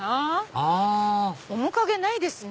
あ面影ないですね。